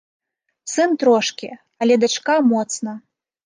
Сын трошкі, але дачка моцна.